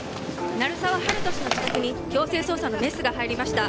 ・鳴沢温人氏の自宅に強制捜査のメスが入りました